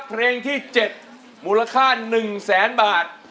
เพลงที่เจ็ดมูลค่าหนึ่งแสนบาท